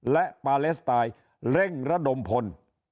และปาเลสไตน์เร่งระดมพล